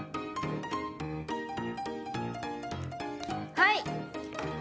はい！